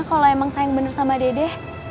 kalau emang sayang bener sama dede